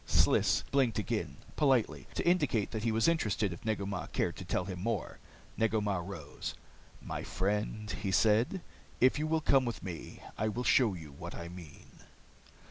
Sliss blinked again, politely, to indicate that he was interested if Negu Mah cared to tell him more. Negu Mah rose. "My friend," he said, "if you will come with me, I will show you what I mean."